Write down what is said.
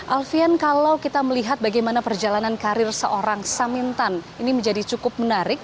alfian kalau kita melihat bagaimana perjalanan karir seorang samintan ini menjadi cukup menarik